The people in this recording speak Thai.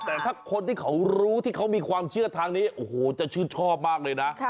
แต่ถ้าคนที่เขารู้ที่เขามีความเชื่อทางนี้โอ้โหจะชื่นชอบมากเลยนะ